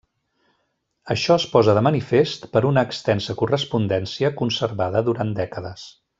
Això es posa de manifest per una extensa correspondència conservada durant dècades.